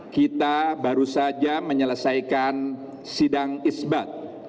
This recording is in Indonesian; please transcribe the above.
kita baru saja menyelesaikan sidang isbat